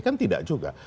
kan tidak juga